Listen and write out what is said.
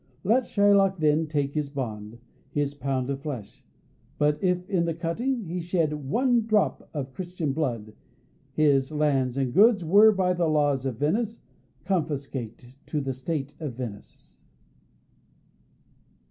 Let Shylock, then, take his bond, his pound of flesh; but if in the cutting it he shed one drop of Christian blood, his lands and goods were, by the laws of Venice, confiscate to the State of Venice.